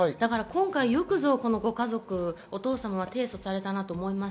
よくぞ今回、ご家族、お父様は提訴されたなと思います。